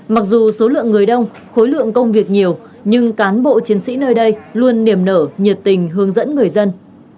mặc dù số lượng người đông khối lượng công việc nhiều nhưng cán bộ chiến sĩ nơi đây luôn niềm nở nhiệt tình hướng dẫn người dân